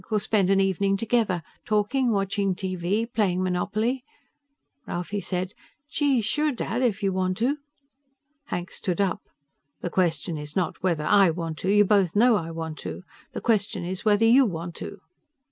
We'll spend an evening together talking, watching TV, playing Monopoly." Ralphie said, "Gee, sure, Dad, if you want to." Hank stood up. "The question is not whether I want to. You both know I want to. The question is whether you want to."